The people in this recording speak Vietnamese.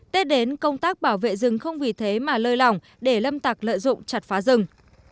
tết đến công tác bảo vệ rừng không vì thế mà lơi lỏng để lâm tạc lợi dụng chặt phá rừng